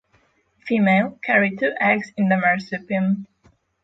Female carry two eggs in the marsupium.